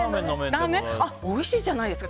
ラーメンおいしいじゃないですか。